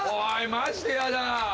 マジでやだ。